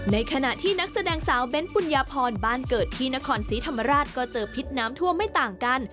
ในขณะที่นักแสดงสาวเบ้นปุญญาพรบ้านเกิดที่นครศรีธรรมราชก็เจอพิษน้ำท่วมไม่ต่างกัน